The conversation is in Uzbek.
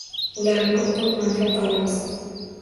Ularni o‘qib manfaat olamiz.